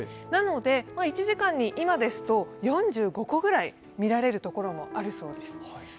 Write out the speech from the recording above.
なので１時間に、今ですと４５個くらい見られるところもあるそうです。